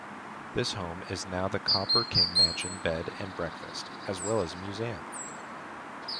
This home is now the Copper King Mansion bed-and-breakfast, as well as a museum.